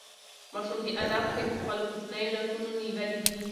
ماشوم د انا پښې په خپلو کوچنیو لاسونو نیولې دي.